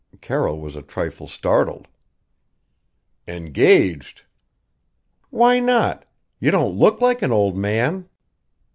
Carroll was a trifle startled. "Engaged?" "Why not? You don't look like an old man."